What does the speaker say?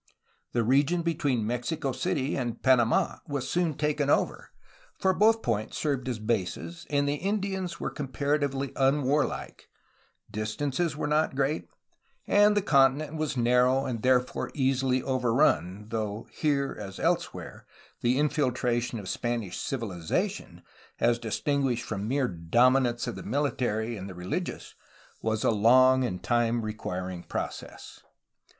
The region between Mexico City and Panamd was soon taken over, for both points served as bases, the Indians were comparatively unwarUke, distances were not great, and the continent was narrow and therefore easily overrun, though here as else where the infiltration of Spanish civilization, as distinguished from mere dominance of the military and the religious, was a long and time requiring process.